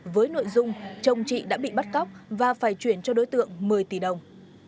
với nội dung chồng chị đã bị bắt cóc và phải chuyển cho đối tượng một mươi tỷ đồng